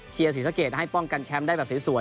เชียร์ศีรษะเกตให้ป้องกันแชมป์ได้แบบสวย